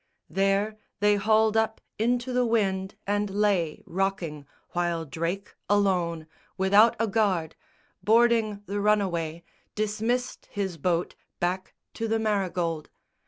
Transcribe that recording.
There they hauled up into the wind and lay Rocking, while Drake, alone, without a guard, Boarding the runaway, dismissed his boat Back to the Marygold.